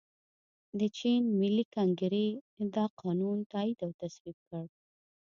د چین ملي کنګرې دا قانون تائید او تصویب کړ.